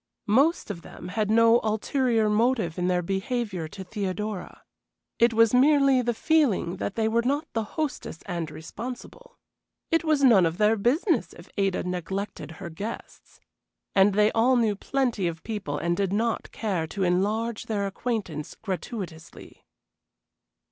Most of them had no ulterior motive in their behavior to Theodora; it was merely the feeling that they were not the hostess and responsible. It was none of their business if Ada neglected her guests, and they all knew plenty of people and did not care to enlarge their acquaintance gratuitously.